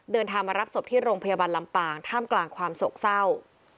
เดินทางมารับศพที่โรงพยาบาลลำปางท่ามกลางความโศกเศร้า